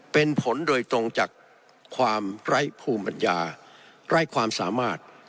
เป็นผลโดยตรงจากความไร้ภูมิปัญญาไร้ความสามารถ